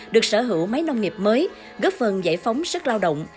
được sở hữu máy nông nghiệp mới góp phần giải phóng sức lao động